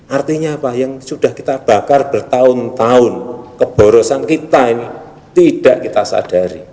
artinya apa yang sudah kita bakar bertahun tahun keborosan kita ini tidak kita sadari